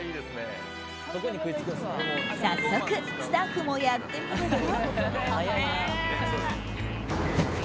早速、スタッフもやってみると。